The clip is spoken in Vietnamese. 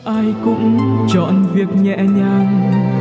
ai cũng chọn việc nhẹ nhàng